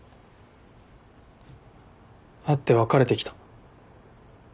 会って別れてきた。